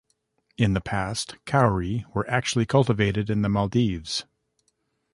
In the past, cowry were actually cultivated in the Maldives.